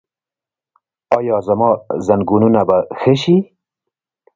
ایا زما زنګونونه به ښه شي؟